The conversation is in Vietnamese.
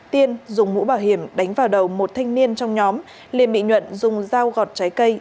tiên dùng mũ bảo hiểm đánh vào đầu một thanh niên trong nhóm liền bị nhuận dùng dao gọt trái cây